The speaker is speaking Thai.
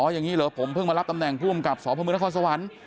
อ๋ออย่างนี้เหรอผมเพิ่งมารับตำแหน่งกลุ้มกับสพศสวรรค์